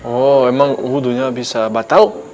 oh emang wudunya bisa batal